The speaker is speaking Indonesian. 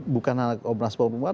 bukan hanya komnas perempuan